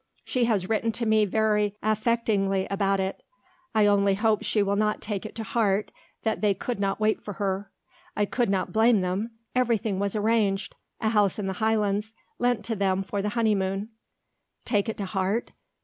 She has written to me very affectingly about it. I only hope she will not take it to heart that they could not wait for her. I could not blame them. Everything was arranged; a house in the Highlands lent to them for the honeymoon." "Take it to heart?